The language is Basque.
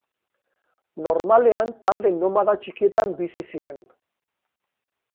Normalean talde nomada txikietan bizi ziren.